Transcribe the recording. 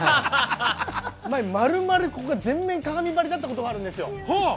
丸々、全面鏡張りだったことがあるんです。